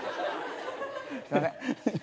すいません。